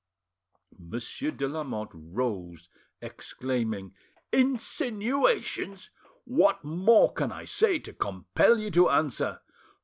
Monsieur de Lamotte rose, exclaiming— "Insinuations! What more can I say to compel you to answer?